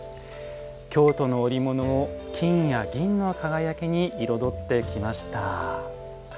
京都の織物を金や銀の輝きに彩ってきました。